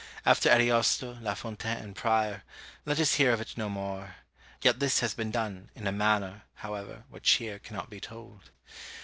After Ariosto, La Fontaine, and Prior, let us hear of it no more; yet this has been done, in a manner, however, which here cannot be told.